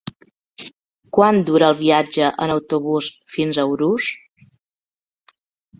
Quant dura el viatge en autobús fins a Urús?